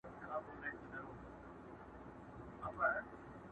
په خپلوي یې عالمونه نازېدله٫